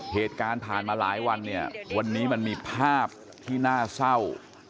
เหตุการณ์ผ่านมาหลายวันเนี่ยวันนี้มันมีภาพที่น่าเศร้า